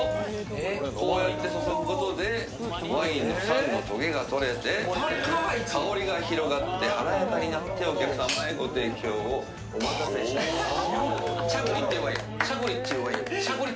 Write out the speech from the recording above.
こうやって注ぐことで、ワインの酸のとげがとれて香りが広がって華やかになってお客様へご提供を、お待たせしました。